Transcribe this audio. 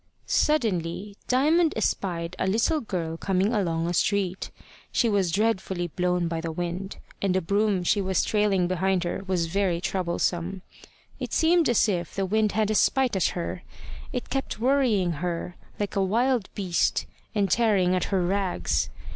Suddenly Diamond espied a little girl coming along a street. She was dreadfully blown by the wind, and a broom she was trailing behind her was very troublesome. It seemed as if the wind had a spite at her it kept worrying her like a wild beast, and tearing at her rags.